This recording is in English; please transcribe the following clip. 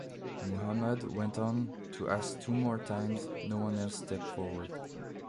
Muhammad went on to ask two more times, no one else step forward.